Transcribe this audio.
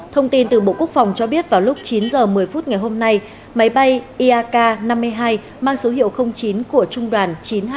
thông tin từ bộ quốc phòng cho biết vào lúc chín h một mươi phút ngày hôm nay máy bay iak năm mươi hai mang số hiệu chín của trung đoàn chín trăm hai mươi ba